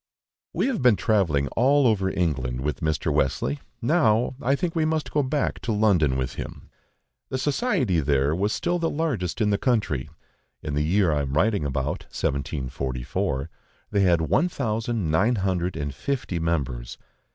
WE have been travelling all over England with Mr. Wesley, now I think we must go back to London with him. The society there was still the largest in the country: in the year I am writing about (1744), they had one thousand nine hundred and fifty members.